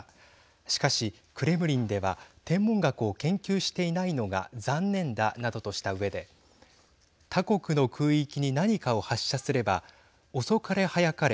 しかし、クレムリンでは天文学を研究していないのが残念だなどとしたうえで他国の空域に何かを発射すれば遅かれ早かれ